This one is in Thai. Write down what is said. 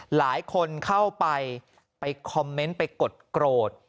หลายคนเข้าไปไปคอมเมนต์ไปกดโกรธ